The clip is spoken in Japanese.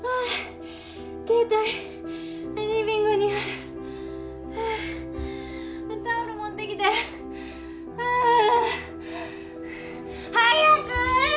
携帯リビングにあるタオル持ってきて早く！